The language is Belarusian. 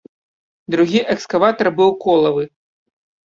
Другі экскаватар быў колавы.